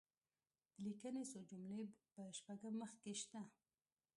د لیکني څو جملې په شپږم مخ کې شته.